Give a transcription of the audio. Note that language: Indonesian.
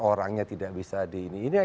orangnya tidak bisa di ini